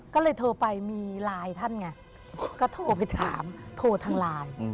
ก็เลยโทรไปมีไลน์ท่านไงก็โทรไปถามโทรทางไลน์